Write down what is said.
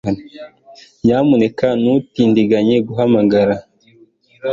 Nyamuneka ntutindiganye guhamagara